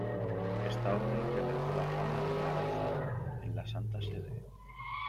Esta obra incrementó la fama de Maratta en la Santa Sede.